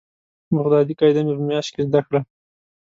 بغدادي قاعده مې په مياشت کښې زده کړه.